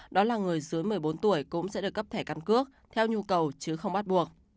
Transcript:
đó là người dưới một mươi bốn tuổi cũng sẽ được cấp thẻ căn cước theo nhu cầu chứ không bắt buộc